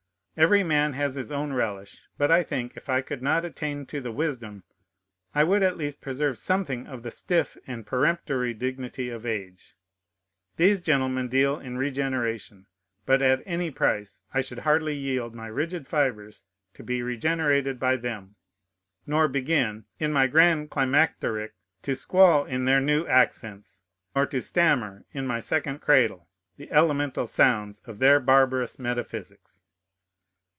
Every man has his own relish; but I think, if I could not attain to the wisdom, I would at least preserve something of the stiff and peremptory dignity of age. These gentlemen deal in regeneration: but at any price I should hardly yield my rigid fibres to be regenerated by them, nor begin, in my grand climacteric, to squall in their new accents, or to stammer, in my second cradle, the elemental sounds of their barbarous metaphysics.